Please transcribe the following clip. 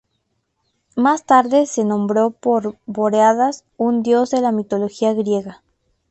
Más tarde se nombró por Bóreas, un dios de la mitología griega.